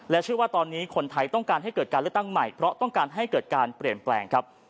เชื่อว่าตอนนี้คนไทยต้องการให้เกิดการเลือกตั้งใหม่เพราะต้องการให้เกิดการเปลี่ยนแปลงครับ